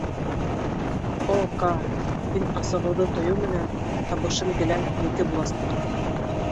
О, Каа, һин асығыуҙы тойоу менән... табышым гелән һинеке буласаҡ.